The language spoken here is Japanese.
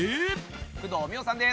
工藤美桜さんです